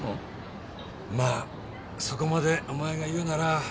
まあそこまでお前が言うなら。